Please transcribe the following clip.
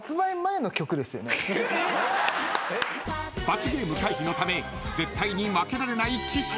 ［罰ゲーム回避のため絶対に負けられない岸君］